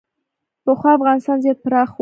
پخوا افغانستان زیات پراخ و